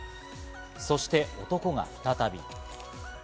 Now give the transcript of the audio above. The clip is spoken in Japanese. そして男が再び。